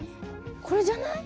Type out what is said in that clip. これじゃない？